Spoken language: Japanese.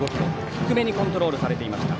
低めにコントロールされていました。